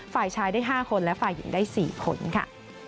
ฝ่ายชายได้๕คนและฝ่ายหญิงได้๔คนค่ะ